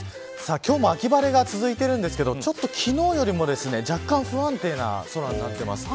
今日も秋晴れが続いているんですが昨日よりも若干不安定な空になっています。